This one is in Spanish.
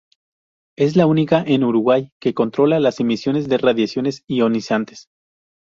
Es la única en Uruguay que controla las emisiones de radiaciones ionizantes.